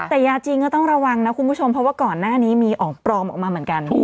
แต่ยาจริงก็ต้องระวังนะคุณผู้ชมเพราะว่าก่อนหน้านี้มีอ๋องปลอมออกมาเหมือนกัน